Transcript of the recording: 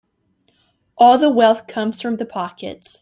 All the wealth comes from the pockets.